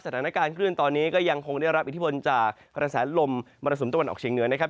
สถานการณ์คลื่นตอนนี้ก็ยังคงได้รับอิทธิพลจากกระแสลมมรสุมตะวันออกเชียงเหนือนะครับ